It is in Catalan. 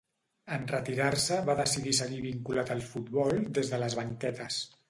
En retirar-se va decidir seguir vinculat al futbol des de les banquetes.